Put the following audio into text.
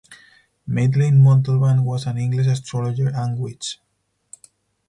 Madeline Montalban was an English astrologer and witch.